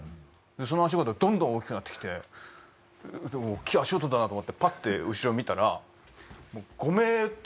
その足音がどんどん大きくなって来て大っきい足音だなと思ってパッて後ろ見たら。